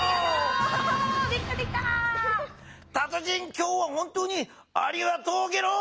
今日は本当にありがとうゲロ！